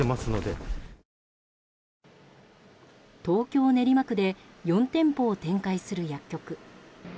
東京・練馬区で４店舗を展開する薬局。